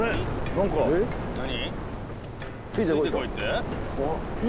何か何？